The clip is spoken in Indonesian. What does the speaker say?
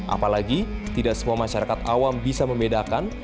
apalagi tidak semua masyarakat awam bisa membedakan